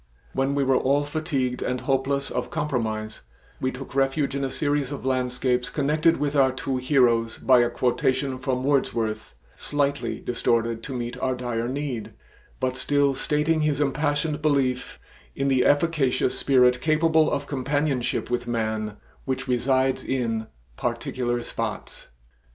When we were all fatigued and hopeless of compromise, we took refuge in a series of landscapes connected with our two heroes by a quotation from Wordsworth slightly distorted to meet our dire need, but still stating his impassioned belief in the efficacious spirit capable of companionship with man which resides in "particular spots."